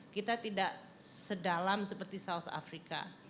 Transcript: kita tidak sedalam seperti south africa